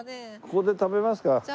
ここで食べますか。